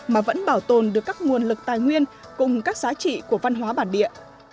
mà vẫn bảo tồn được các nguồn lực tài nguyên cùng các giá trị của văn hóa bản địa